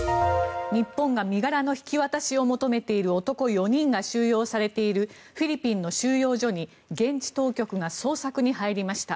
日本が身柄の引き渡しを求めている男４人が収容されているフィリピンの収容所に現地当局が捜索に入りました。